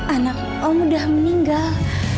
anak om sudah meninggal